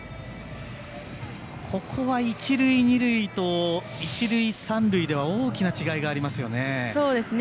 ここは一塁二塁と一塁三塁では大きな違いがありますよね。